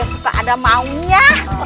suka ada maunya